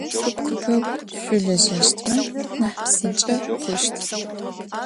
Куп-купэу шъулэжьэщтмэ нахь псынкӏэ хъущт.